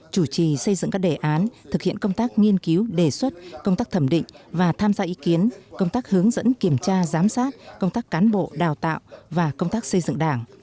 chủ trì xây dựng các đề án thực hiện công tác nghiên cứu đề xuất công tác thẩm định và tham gia ý kiến công tác hướng dẫn kiểm tra giám sát công tác cán bộ đào tạo và công tác xây dựng đảng